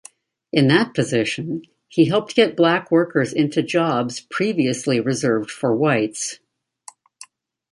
In that position, he helped get black workers into jobs previously reserved for whites.